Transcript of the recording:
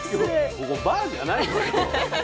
ここバーじゃないのよ。